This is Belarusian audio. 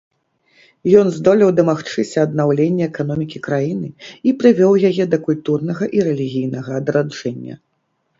Ён здолеў дамагчыся аднаўлення эканомікі краіны і прывёў яе да культурнага і рэлігійнага адраджэння.